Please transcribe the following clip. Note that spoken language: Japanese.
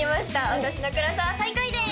私のクラスは最下位です！